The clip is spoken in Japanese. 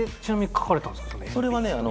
それはね